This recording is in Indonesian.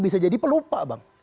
bisa jadi pelupa bang